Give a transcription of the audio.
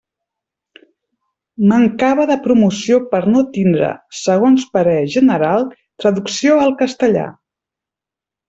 Mancava de promoció per no tindre, segons parer general, traducció al castellà.